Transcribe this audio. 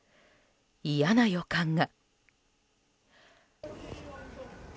嫌な予感が。